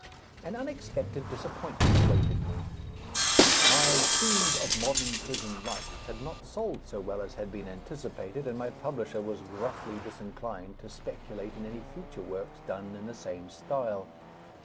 An unexpected disappointment awaited me. My "Scenes of Modern Prison Life" had not sold so well as had been anticipated, and my publisher was gruffly disinclined to speculate in any future works done in the same style.